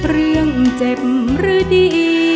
เรื่องเจ็บหรือดี